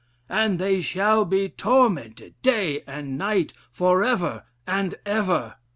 'And they shall be tormented day and night forever and ever.'